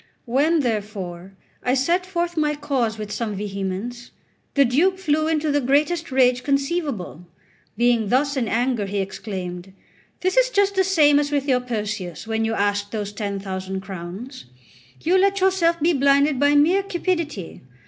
When, therefore, I set forth my cause with some vehemence, the Duke flew into the greatest rage conceivable. Being thus in anger, he exclaimed: "This is just the same as with your Perseus, when you asked those ten thousand crowns. You let yourself be blinded by mere cupidity.